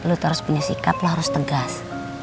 lo harus punya sikap lo harus tegas